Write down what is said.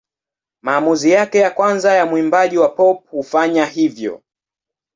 Maamuzi yake ya kwanza ya mwimbaji wa pop kufanya hivyo.